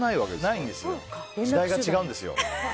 時代が違うんですよ。